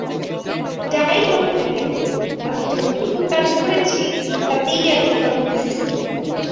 যাই হোক না কেন, আমি যতটুকু কাজ করেছি, তাতেই আমি সন্তুষ্ট।